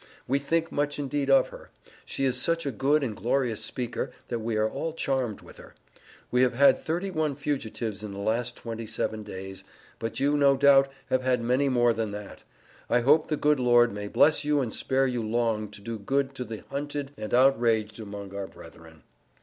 We think much indeed of her. She is such a good and glorious speaker, that we are all charmed with her. We have had thirty one fugitives in the last twenty seven days; but you, no doubt, have had many more than that. I hope the good Lord may bless you and spare you long to do good to the hunted and outraged among our brethren.